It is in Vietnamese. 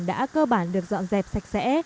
đã cơ bản được dọn dẹp sạch sẽ